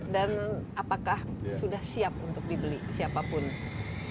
dan apakah sudah siap untuk dibeli siapapun